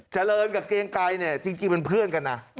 เจริญกับเกรงไกรเนี่ยจริงเป็นเพื่อนกันนะ